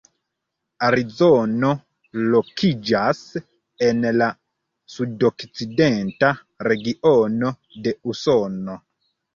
Arizono lokiĝas en la sudokcidenta regiono de Usono.